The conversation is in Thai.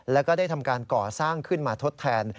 แล้วก็ได้ทำการก่อสร้างขึ้นมาทดแทน